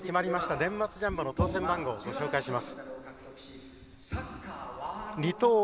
年末ジャンボの当せん番号をご紹介します。